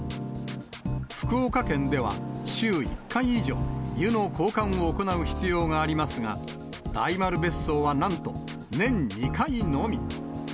福岡県では、週１回以上、湯の交換を行う必要がありますが、大丸別荘はなんと、年２回のみ。